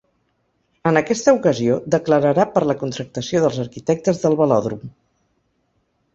En aquesta ocasió, declararà per la contractació dels arquitectes del velòdrom.